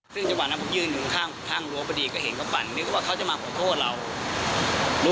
ทุกคนจะต้องมาทำงานอีกสัปดาห์หนึ่งถึงจะได้เงินกลับไปกัน